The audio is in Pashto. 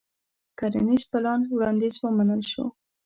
د کرنيز پلان وړانديز ومنل شو.